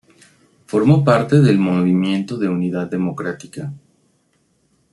Formó parte del Movimiento de Unidad Democrática.